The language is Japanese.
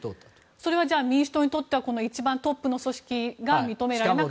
それは民主党にとっては一番トップの組織が認められなかったと。